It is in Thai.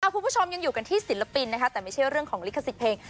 ผู้ชมยังอยู่ที่ศิลปินไม่ใช่แต่เรื่องของริขสิตเพลง